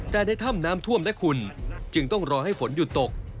แต่ในถ้ำน้ำท่วมและคุณจึงต้องรอให้ฝนหยุดตก